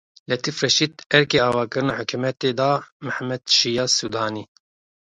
Letîf Reşîd erkê avakirina hikûmetê da Mihemed Şiya Sûdanî.